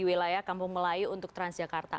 wilayah kampung melayu untuk transjakarta